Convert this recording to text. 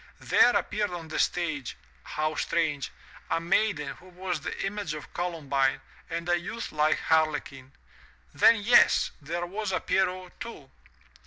There appeared on the stage — ^how strange! a maiden who was the image of Colum bine, and a youth like Harlequin. Then, yes! — there was a Pierrot too.